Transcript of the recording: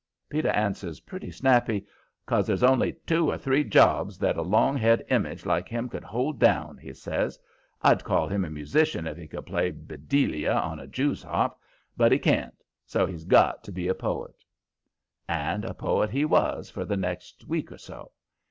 Peter answered pretty snappy: "'Cause there's only two or three jobs that a long haired image like him could hold down," he says. "I'd call him a musician if he could play 'Bedelia' on a jews' harp; but he can't, so's he's got to be a poet." And a poet he was for the next week or so.